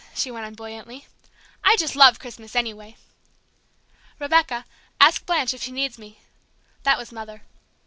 she went on buoyantly. "I just love Christmas, anyway!" "Rebecca, ask Blanche if she needs me," that was Mother.